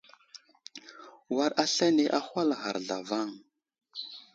War aslane ahwal ghar zlavaŋ.